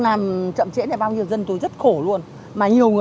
nó ngập lắm không